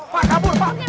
mas kabur mas